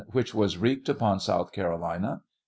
Which was wreaked upon South Carolina